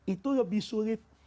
itu lebih sulit